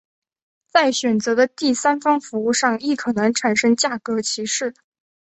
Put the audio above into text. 在选择的第三方服务上亦可能产生价格歧视。